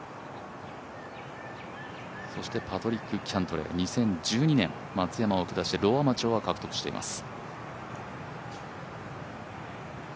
そしてパトリック・キャントレー、２０１２年、松山を下してローアマチュアを獲得しています。